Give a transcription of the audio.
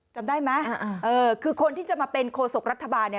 จำได้ไหมคือคนที่จะมาเป็นโฆษกภักดิ์รัฐบาล